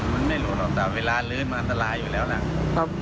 มันไม่รู้แต่เวลาลืดมันน้ำตลายอยู่แล้วล่ะ